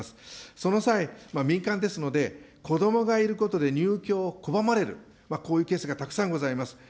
その際、民間ですので、子どもがいることで入居を拒まれる、こういうケースがたくさんございます。